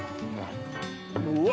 うわ！